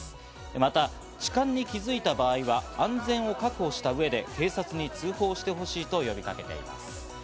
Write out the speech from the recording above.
また痴漢に気づいた場合は安全を確保した上で、警察に通報してほしいと呼びかけています。